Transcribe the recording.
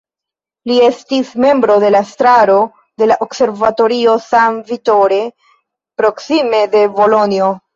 Li estis membro de la estraro de la Observatorio San Vittore proksime de Bolonjo.